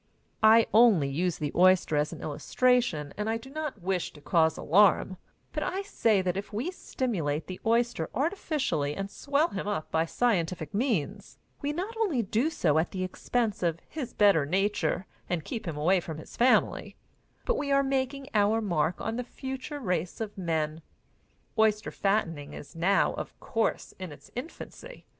I only use the oyster as an illustration, and I do not wish to cause alarm, but I say that if we stimulate the oyster artificially and swell him up by scientific means, we not only do so at the expense of his better nature and keep him away from his family, but we are making our mark on the future race of men. Oyster fattening is now, of course, in its infancy.